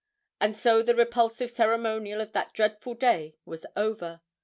And so the repulsive ceremonial of that dreadful day was over.